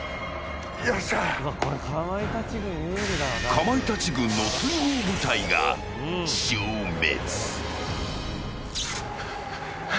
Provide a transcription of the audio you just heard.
かまいたち軍の通報部隊が消滅。